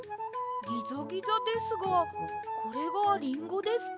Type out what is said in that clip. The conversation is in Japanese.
ギザギザですがこれがリンゴですか？